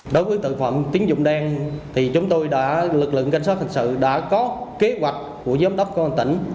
đối với tội phạm tín dụng đen thì chúng tôi đã lực lượng canh sát thực sự đã có kế hoạch của giám đốc công an tỉnh